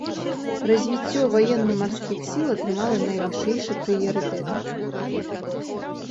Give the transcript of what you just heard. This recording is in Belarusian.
Развіццё ваенна-марскіх сіл атрымала найвышэйшы прыярытэт.